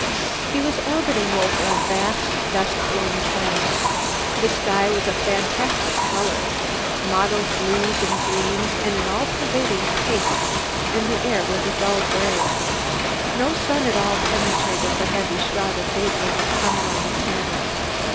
He was orbiting over a vast dust blown plain. The sky was a fantastic color, mottled blues and greens and an all pervading pink, and the air was dull gray. No sun at all penetrated the heavy shroud of vapor that hung round the planet.